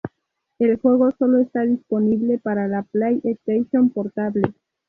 El juego solo está disponible para la PlayStation Portable.